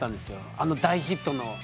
あの大ヒットの裏に。